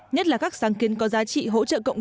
nhất là các sáng kiến có giá trị hỗ trợ cộng đồng